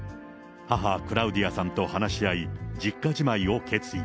母、クラウディアさんと話し合い、実家じまいを決意。